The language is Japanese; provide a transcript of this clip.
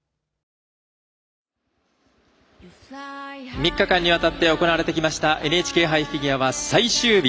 ３日間にわたって行われてきましたＮＨＫ杯フィギュアは最終日。